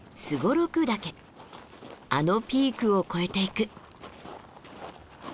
あのピークを越えていく。